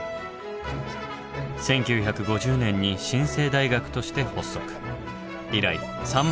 １９５０年に新制大学として発足。